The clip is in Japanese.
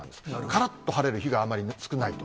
からっと晴れる日があまり少ないと。